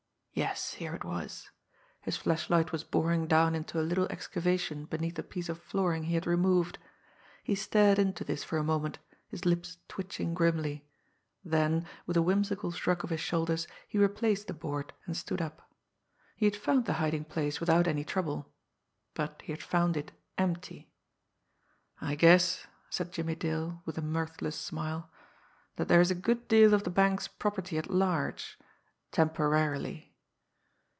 "Yes, here it was!" His flashlight was boring down into a little excavation beneath the piece of flooring he had removed. He stared into this for a moment, his lips twitching grimly; then, with a whimsical shrug of his shoulders, he replaced the board, and stood up. He had found the hiding place without any trouble but he had found it empty. "I guess," said Jimmie Dale, with a mirthless smile, "that there's a good deal of the bank's property at large temporarily!"